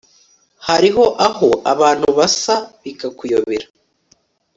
hariho aho abantu basa bika kuyobera